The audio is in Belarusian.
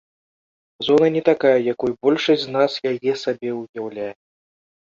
Зона не такая, якой большасць з нас яе сабе ўяўляе.